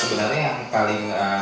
sebenarnya yang paling menarik adalah